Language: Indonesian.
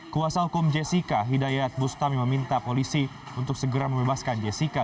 kuasa hukum jessica hidayat bustami meminta polisi untuk segera membebaskan jessica